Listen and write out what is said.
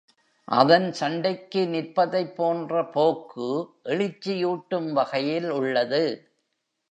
அதன் சண்டைக்கு நிற்பதைப் போன்ற போக்கு எழுச்சியூட்டும் வகையில் உள்ளது.